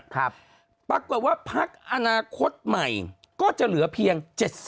ปรากฏว่าพักอนาคตใหม่ก็จะเหลือเพียง๗๐